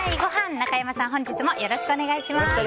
中山さん、本日もよろしくお願いします。